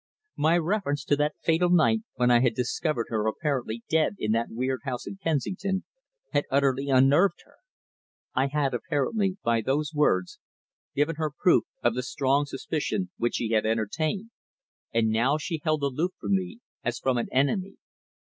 My reference to that fatal night when I had discovered her apparently dead in that weird house in Kensington had utterly unnerved her. I had apparently, by those words, given her proof of the strong suspicion which she had entertained, and now she held aloof from me as from an enemy.